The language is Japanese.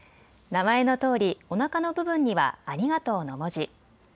名前のとおりおなかの部分にはありがとうの文字。